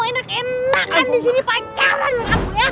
enak enakan disini pacaran kamu ya